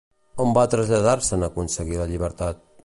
On va traslladar-se en aconseguir la llibertat?